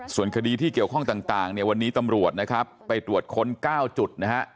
ส่วนคดีที่เกี่ยวข้องต่างเนี่ยวันนี้ตำรวจนะครับไปตรวจค้น๙จุดนะฮะ